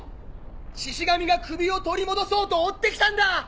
シシ神が首を取り戻そうと追ってきたんだ！